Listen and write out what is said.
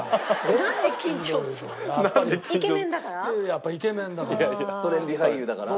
やっぱイケメンだから。